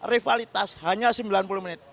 rivalitas hanya sembilan puluh menit